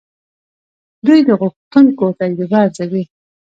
دوی د غوښتونکو تجربه ارزوي.